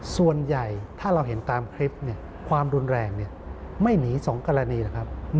ส่วนใหญ่ถ้าเราเห็นตามคลิปความรุนแรงไม่หนี๒กรณีนะครับ